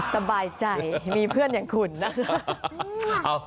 สบายใจมีเพื่อนอย่างคุณนะคะ